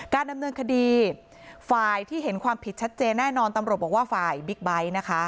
ดำเนินคดีฝ่ายที่เห็นความผิดชัดเจนแน่นอนตำรวจบอกว่าฝ่ายบิ๊กไบท์นะคะ